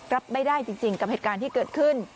รับไม่ได้จริงกับเหตุการณ์ที่เกิดขึ้น